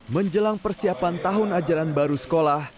menjelang persiapan tahun ajaran baru sekolah